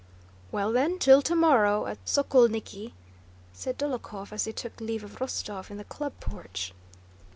"Well then, till tomorrow at Sokólniki," said Dólokhov, as he took leave of Rostóv in the club porch.